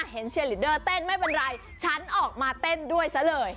เชียร์ลิดเดอร์เต้นไม่เป็นไรฉันออกมาเต้นด้วยซะเลย